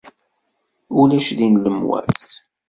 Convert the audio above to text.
Ulac din lemwas.